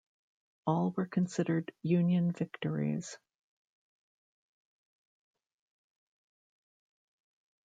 All were considered Union victories.